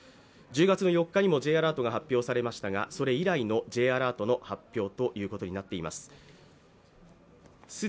１０月の４日にもＪアラートが発表されましたがそれ以来のＪアラートの発表ということになっています。